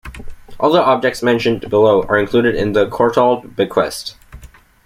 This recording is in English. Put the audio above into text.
All the objects mentioned below are included in the Courtauld bequest.